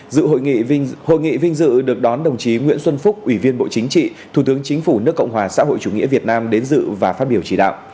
dự hội nghị vinh dự được đón đồng chí nguyễn xuân phúc ủy viên bộ chính trị thủ tướng chính phủ nước cộng hòa xã hội chủ nghĩa việt nam đến dự và phát biểu chỉ đạo